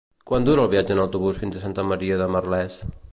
Quant dura el viatge en autobús fins a Santa Maria de Merlès?